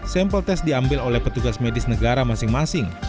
sampel tes diambil oleh petugas medis negara masing masing